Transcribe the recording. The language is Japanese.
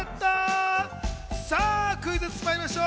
クイズッス参りましょう。